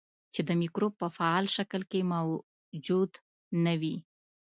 چې د مکروب په فعال شکل کې موجود نه وي.